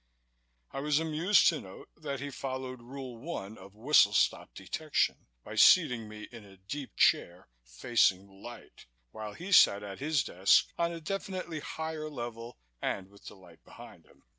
I was amused to note that he followed Rule 1 of whistle stop detection, by seating me in a deep chair, facing the light, while he sat at his desk on a definitely higher level and with the light behind him.